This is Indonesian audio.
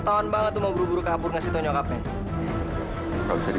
kamu juga david kejar maudie